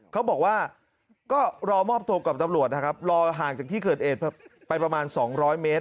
เขาบอกว่าก็รอมอบตัวกับตำรวจนะครับรอห่างจากที่เกิดเหตุไปประมาณ๒๐๐เมตร